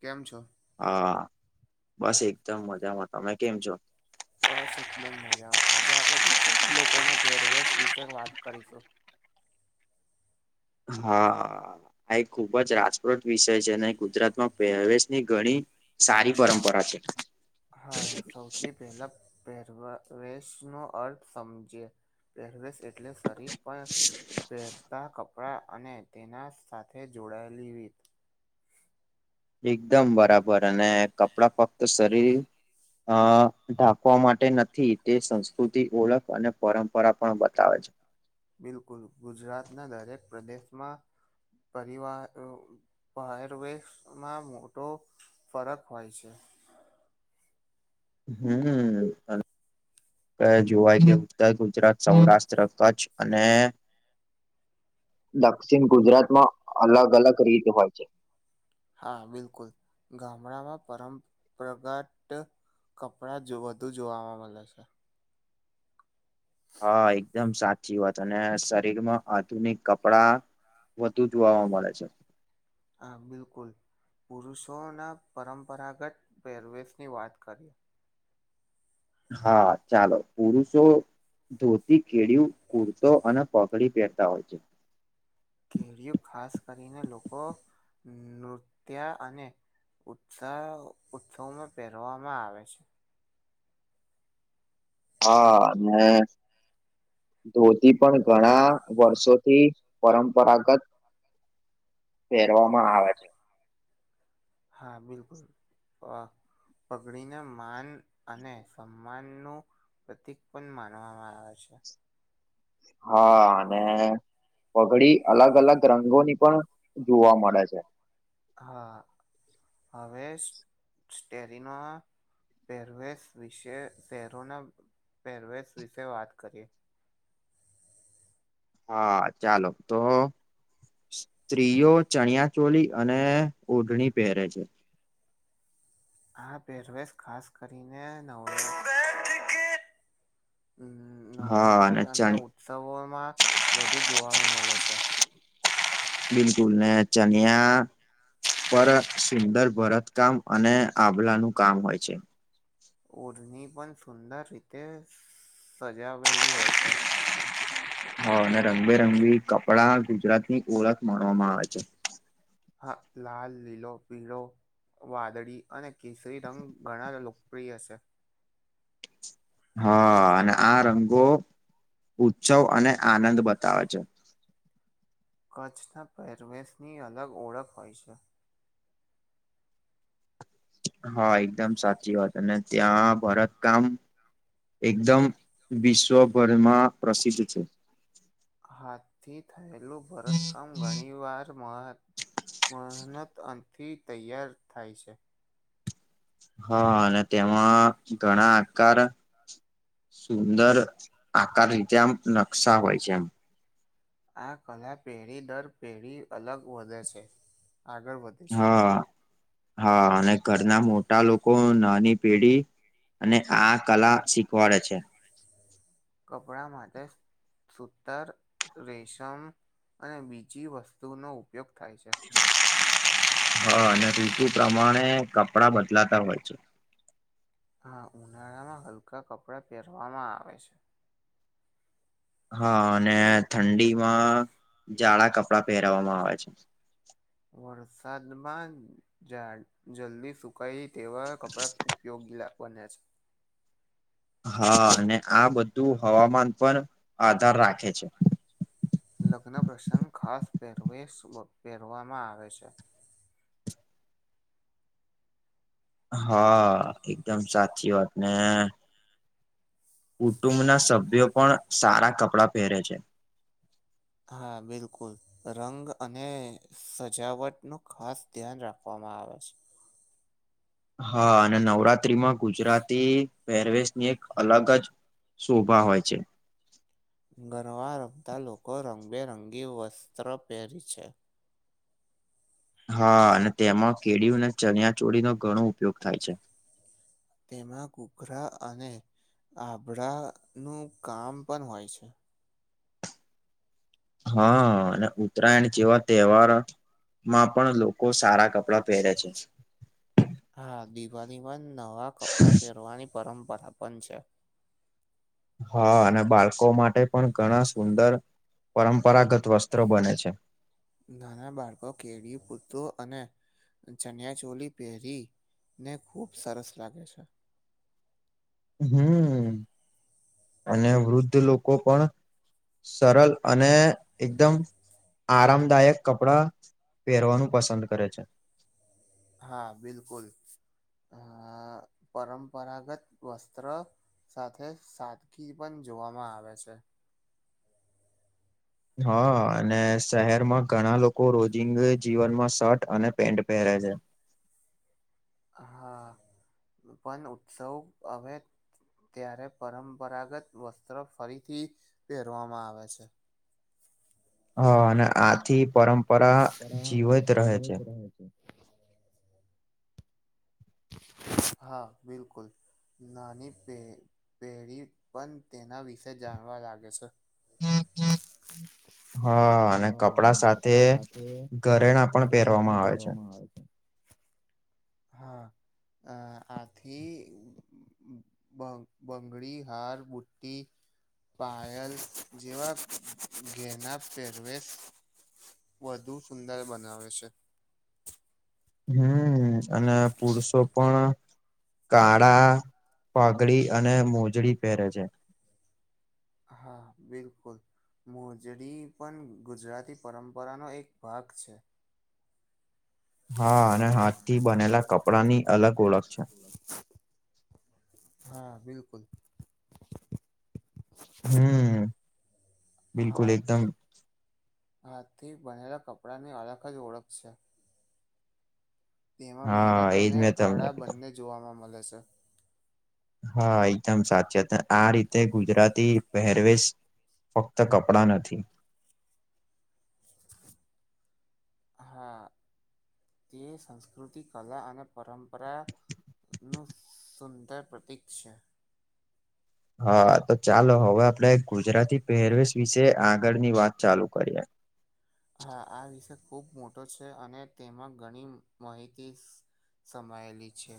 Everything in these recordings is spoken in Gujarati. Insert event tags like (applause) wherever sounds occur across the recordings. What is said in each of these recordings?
કેમ છો? હા બસ એકદમ મજામાં. તમે કેમ છો? બસ એકદમ મજામાં આજે આપે ગુજરાતી લોકોના પેરવેશ વિશે વાત કરીશું? હા આ એક ખુબ જ રાજપ્રત વિષય છે અને ગુજરાતમાં પરવેશ એ ઘણી સારી પરંપરા છે. થી પહેલા પહેરવેશ નો અર્થ સમજે પહેરવેશ એટલે શરીર પણ શહેરતા કપડાં કપડાં અને તેના સાથે જોડાયેલી રીત એકદમ બરાબર અને કપડાં ફક્ત શરીર અ ઢાંકવા માટે નથી તે સંસ્કૃતિ ઓળખ અને પરંપરા પણ બતાવે છે. બિલકુલ ગુજરાતના દરેક પ્રદેશમાં પરિવાર પરવેશ માં મોટો ફરક હોય છે. હમ જોવાય કે ઉત્તર ગુજરાત, સૌરાષ્ટ્ર, કચ્છ અને દક્ષિણ ગુજરાતમાં અલગ અલગ રીત હોય છે. હા બિલકુલ ગામડામાં પંરપરાગત કપડા જો વધુ જોવાવામાં મળે છે. હા એકદમ સાચી વાત અને શરીર માં આધુનિક કપડા વધુ જોવા મળે છે. હા બિલકુલ પુરુષોના પરંપરાગત પહેરવેશની વાત કરીએ? હા ચાલો પુરુષો ધોતી, કેડિયું, કુર્તો અને પાઘડી પહેરતા હોય છે. કેડિયું ખાસ કરીને લોકો નૃત્ય અને ઉત્સા ઉત્સવમાં પહેરવામાં આવે છે. હા અને ધોતી પણ ઘણા વર્ષોથી પરંપરાગત પહેરવામાં આવે છે. હા બિલકુલ પાઘડીના માન અને સમાનનું પ્રતિક પણ માનવામાં આવે છે. હા અને પાઘડી અલગ અલગ રંગોની પણ જોવા મળે છે. હા હવે સ્ટેરીના પહેરવેશ વિશે શહેરોના પહેરવેશ વિશે વાત કરીએ. હા ચાલો તો સ્ત્રીઓ ચણિયા ચોલી અને ઓઢણી પહેરે છે. આ પેરવેશ ખાસ કરીને નવ હમ હા નવરાત્રી અને ચણ ઉત્સવોમાં વધુ જોવામા મલે છે. બિલકુલ ને ચનીયા પર સુંદર ભરત કામ અને આભલાં નું કામ હોય છે. ઓઢની પણ સુંદર રીતે સજાવેલી હોય છે. હા અને રંગબેરંગી કપડા ગુજરાતની ઓળખ માણવામાં આવે છે. હા લાલ, લીલો, પીળો વાદળી અને કેસરી રંગ ઘણાન લોકપ્રિય છે. હા અને આ રંગો ઉત્સવ અને આનંદ બતાવે છે. કચ્છના પહેરવેશની અલગ ઓળખ હોય છે. હા એકદમ સાચી વાત અને ત્યાં ભરત કામ એકદમ વિશ્વભરમાં પ્રસિદ્ધ છે. હાથથી થયેલું ભરતકામ ઘણીવાર મહનત મહનત આનથી તૈયાર થાય છે. હા અને તેમાં ઘણા આકાર સુંદર આકાર રીતે આમ નકશા હોય છે એમ. આ કલા પેઢી દર પેઢી અલગ વધે છે આગળ વધ હા હા અને ઘરના મોટા લોકો નાની પેઢી અને આ કલા શીખવાડે છે. કપડા માટે સૂતર, રેશમ અને બીજી વસ્તુઓનો ઉપયોગ થાય છે. હા અને ઋતુ પ્રમાણે કપડા બદલાતા હોય છે. હા ઉનાળામાં હલકા કપડાં પહેરવામાં આવે છે. હા અને ઠંડીમાં જાળા કપડા પહેરવામાં આવે છે. વરસાદમાં જા જલ્દી સુખ કાઈ તેવા કપડા ઉપયોગી લા બન્યા છે. હા અને આ બધું હવામાન પર આધાર રાખે છે. લગ્ન પ્રસંગ ખાસ પહેરવેશ વ પહેરવામાં આવે છે. હા એકદમ સાચી વાત ને કુટુંબના સભ્યો પણ સારા કપડાં પહેરે છે. હા બિલકુલ. રંગ અને સજાવટનું ખાસ ધ્યાન રાખવામાં આવે છે. હા અને નવરાત્રીમાં ગુજરાતી પહેરવેશની એક અલગ જ શોભા હોય છે. ગરબા રમતા લોકો રંગબેરંગી વસ્ત્ર પહેરી છે. હા અને તેમાં કેડીયુ અને ચનિયા ચોળીનો ઘણો ઉપયોગ થાય છે. તેમાં ઘૂઘરા અને આભળાનું કામ પન હોય છે. હા અને ઉત્તરાયણ જેવા તહેવારો માં પણ લોકો સારા કપડા પહેરે છે. હા દિવાલીમાં નવાં કપડાં પહેરવાની પરંપરા પન છે. હા અને બાલકો માટે પણ ઘણા સુંદર પરંપરાગત વસ્ત્રો બને છે. નાના બાળકો કેડીયુ, કુર્તો અને ચનિયા ચોલી પહેરી ને ખુબ સરસ લાગે છે. હમ અને વૃદ્ધ લોકો પણ સરલ અને એકદમ આરામદાયક કપડા પહેરવાનું પસંદ કરે છે. હા બિલકુલ અ પરંપરાગત વસ્ત્ર સાથે સાદગી પણ જોવામાં આવે છે. હા અને શહેરમાં ઘણા લોકો રોજિંગ જીવનમાં શર્ટ અને પેન્ટ પહેરે છે. હા પણ ઉત્સવ હવે ત્યારે પરંપરાગત વસ્ત્ર ફરીથી પહેરવામાં આવે છે. હા અને આથી પરંપરા જીવત રહે છે. એવું છે. હા બિલકુલ. નાની પેઢી પણ તેના વિશે જાણવા લાગે છે. (inaudible) હા અને કપડા સાથે ઘરેણાં પણ પહેરવામાં આવે છે‌. હા અ આથી બ બંગડી, હાર, બુટી, પાાયલ્સ જેવા ઘેના સેરવેસ વધુ સુંદર બનાવે છે. હમ અને પુરુષો પણ કાળા પાઘડી અને મોજડી પહેરે છે. હા બિલકુલ મોજડી પણ ગુજરાતી પરંપરાનો એક ભાગ છે. હા અને હાથથી બનેલા કપડા હા બિલકુલ હમ્મ હાથી હાથથી બનેલા કપડાની અલગ જ ઓળખ છે. તેમાં હા મહેનત એજ અને મેં તમને કળા કીધું બંને જોવામાં મળે છે. હા એકદમ સાચી આ રીતે ગુજરાતી પહેરવેશ ફક્ત કપડાં નથી. હા તે સંસ્કૃતિ, કલા અને પરંપરા, નું સુંદર પ્રતીક છે. હા તો ચાલો હવે આપડે ગુજરાતી પહેરવેશ વિશે આગળની વાત ચાલુ કરીએ. હા આ વિષય ખુબ મોટો છે અને તેમાં ઘણી માહિતી સમાયેલી છે.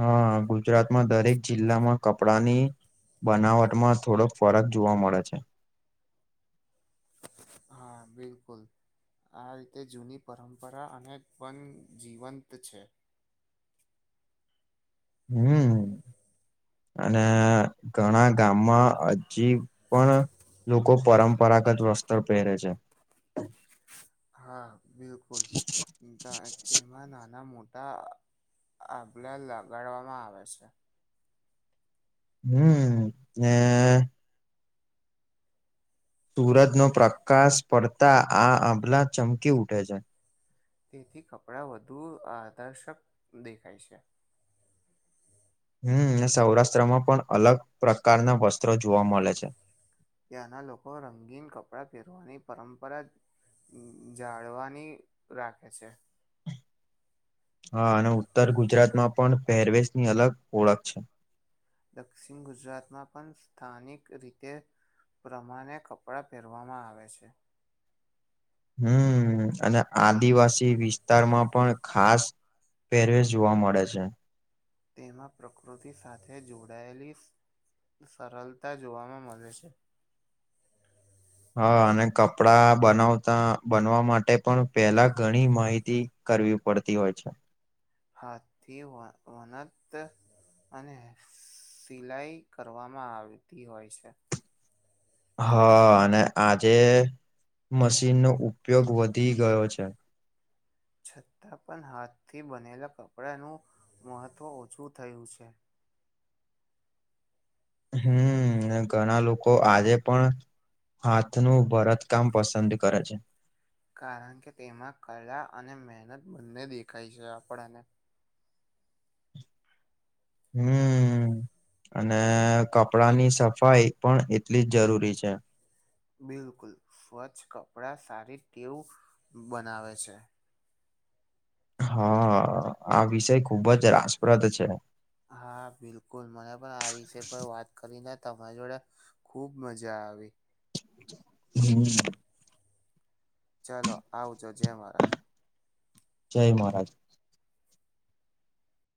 હા ગુજરાતમાં દરેક જિલ્લામાં કપડાની બનાવટમાં થોડોક ફરક જોવા મળે છે. હા બિલકુલ આ રીતે જૂની પરંપરા અને પણ જીવંત છે. હમ્મ અને ઘણા ગામમાં હજી પણ લોકો પરંપરાગત વસ્ત્ર પહેરે છે. હા બિલકુલ તેમાં નાના મોટા આભલા લગાડવામાં આવે છે. હમ્મ એ સુૂરજનો પ્રકાશ પડતા આ આભલા ચમકી ઉઠે છે. તેથી કપડાં વધુ આદર્શક દેખાય છે. હમ્મ સૌરાષ્ટ્રમાં પણ અલગ પ્રકારના વસ્ત્રો જોવા મળે છે. ત્યાંના લોકો રંગીન કપડાં પહેરવાની પરંપરા જાળવાની રાખે છે. હા અને ઉત્તર ગુજરાતમાં પણ પહેરવેશની અલગ ઓળખ છે. દક્ષિણ ગુજરાતમાં પણ સ્થાનિક રીતે પ્રમાણે કપડા પહેરવામાં આવે છે. હમ્મ અને આદિવાસી વિસ્તારમાં પણ ખાસ પહેરવેશ જોવા મળે છે. તેમાં પ્રકૃતિ સાથે જોડાયેલી સરળતા જોવામાં મળે છે. હા અને કપડા બનાવતા બનવા માટે પણ પેલા ઘણી માહિતી કરવી પડતી હોય છે. હાથથી વ વનંત અને સિલાઈ કરવામાં આવતી હોય છે. હા અને આજે મશીનનો ઉપયોગ વધી ગયો છે. છતાં પણ હાથથી બનેલા કપડાંનું મહત્ત્વ ઓછું થયું છે. હમ્મ ઘણા લોકો આજે પણ હાથનું ભરતકામ પસંદ કરે છે. કારણ કે તેમાં કળા અને મહેનત બંને દેખાય છે આપણને. હમ. અને કપડાની સફાઈ પણ એટલી જ જરૂરી છે. બિલકુલ સ્વચ્છ કપડાં સારી ટેવું બનાવે છે. હ આ વિષય ખુબ જ રાસપ્રદ છે. હા બિલકુલ મને પણ આ વિષય પર વાત કરીને તમારી જોડે ખુબ મજા આવી. હમ. ચાલો આવજો જય મહારાજ. જય મહારાજ.